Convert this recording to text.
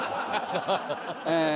ええ。